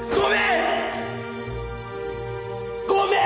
ごめん！